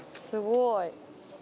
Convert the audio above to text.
すごい。